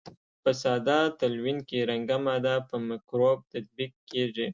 په ساده تلوین کې رنګه ماده په مکروب تطبیق کیږي.